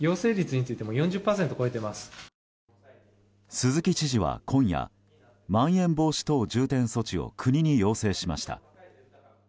鈴木知事は、今夜まん延防止等重点措置を国に要請しました。